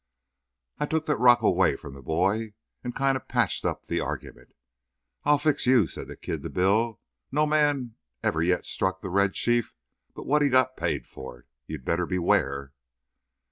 I took the rock away from the boy and kind of patched up the argument. "I'll fix you," says the kid to Bill. "No man ever yet struck the Red Chief but what he got paid for it. You better beware!"